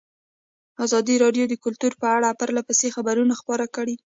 ازادي راډیو د کلتور په اړه پرله پسې خبرونه خپاره کړي.